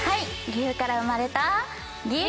岐阜から生まれた。